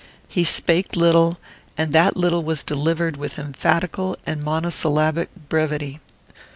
He spake little, and that little was delivered with emphatical and monosyllabic brevity.